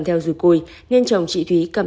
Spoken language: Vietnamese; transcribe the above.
theo rủi quy nên chồng chị thúy cầm